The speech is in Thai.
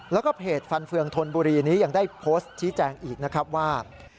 แล้วก็เพจฟันเฟืองธนบุรีนี้ยังได้โพสต์ชี้แจงอีกนะครับว่า